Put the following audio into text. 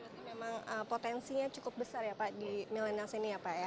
berarti memang potensinya cukup besar ya pak di milenials ini ya pak ya